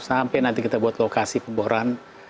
sampai nanti kita buat lokasi pemboran